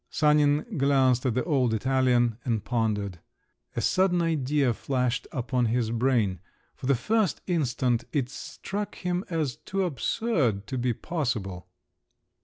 Sanin glanced at the old Italian, and pondered. A sudden idea flashed upon his brain. For the first instant it struck him as too absurd to be possible.